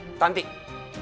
kasian ini gitu